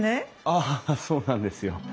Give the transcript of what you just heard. ああそうなんですよ。